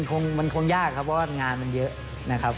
ก็จริงมันคงยากครับเพราะว่างานมันเยอะนะครับ